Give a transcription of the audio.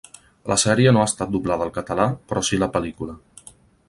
La sèrie no ha estat doblada al català, però sí la pel·lícula.